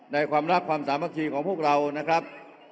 ความรักความสามัคคีของพวกเรานะครับ